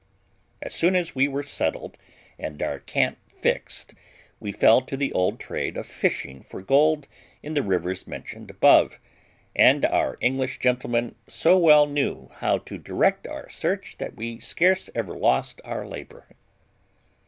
As soon as we were settled, and our camp fixed, we fell to the old trade of fishing for gold in the rivers mentioned above, and our English gentleman so well knew how to direct our search, that we scarce ever lost our labour.